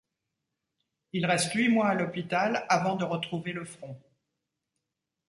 Il reste huit mois à l'hôpital, avant de retrouver le front.